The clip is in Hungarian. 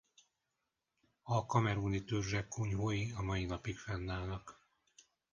A kameruni törzsek kunyhói a mai napig fennállnak.